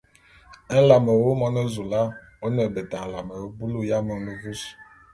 Nlame wu, Monezoula, ô ne beta nlame bulu ya melu mvus.